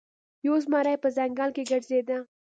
یو زمری په ځنګل کې ګرځیده.